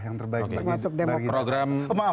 yang terbaik masuk program pasangan